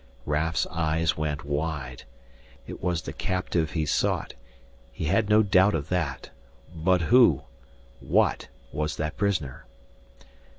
Raf's eyes went wide. It was the captive he sought; he had no doubt of that. But who what was that prisoner?